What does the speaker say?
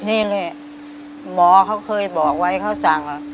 นี่แหละหมอเขาเคยบอกไว้เขาสั่ง